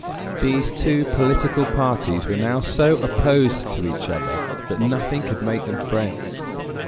These two political parties were now so opposed to each other, that nothing could make them friends.